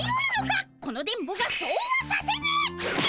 この電ボがそうはさせぬ！